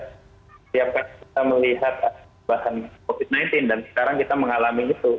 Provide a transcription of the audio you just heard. setiap kali kita melihat bahan covid sembilan belas dan sekarang kita mengalami itu